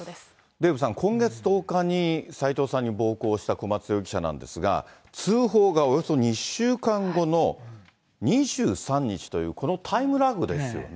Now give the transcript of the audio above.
デーブさん、今月１０日に斎藤さんに暴行をした小松容疑者なんですが、通報がおよそ２週間後の２３日という、このタイムラグですよね。